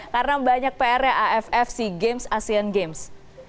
karena banyak pr nya aff si games asean games